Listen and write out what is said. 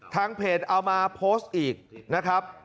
ทางเพจเอามาโพสต์อีกนะครับ